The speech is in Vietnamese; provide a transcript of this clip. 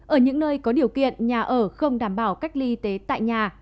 ở những nơi có điều kiện nhà ở không đảm bảo cách ly y tế tại nhà